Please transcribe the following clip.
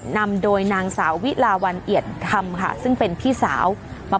นำโดยนางสาววิลาวันเอียดธรรมค่ะซึ่งเป็นพี่สาวมา